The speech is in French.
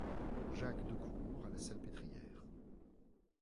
Jacques Decourt à la Salpêtrière.